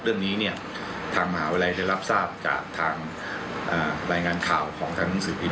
เรื่องนี้เนี่ยทางมหาวิทยาลัยได้รับทราบจากทางรายงานข่าวของทางหนังสือพิม